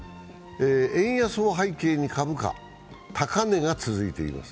円安を背景に株価、高値が続いています。